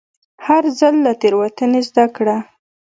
هر ځل له تېروتنې زده کړه.